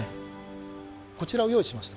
こちらを用意しました。